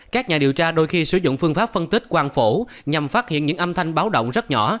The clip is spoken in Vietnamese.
các nhà điều tra đôi khi sử dụng phương pháp phân tích quan phủ nhằm phát hiện những âm thanh báo động rất nhỏ